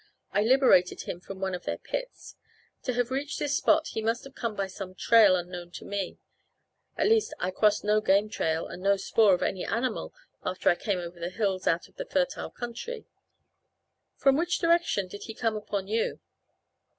I liberated him from one of their pits. To have reached this spot he must have come by some trail unknown to me at least I crossed no game trail and no spoor of any animal after I came over the hills out of the fertile country. From which direction did he come upon you?"